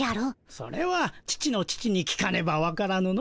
それは父の父に聞かねばわからぬの。